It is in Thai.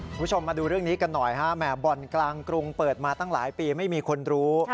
คุณผู้ชมมาดูเรื่องนี้กันหน่อยฮะแหม่บ่อนกลางกรุงเปิดมาตั้งหลายปีไม่มีคนรู้